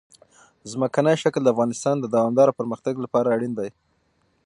ځمکنی شکل د افغانستان د دوامداره پرمختګ لپاره اړین دي.